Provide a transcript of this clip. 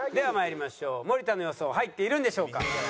森田の予想入っているんでしょうか？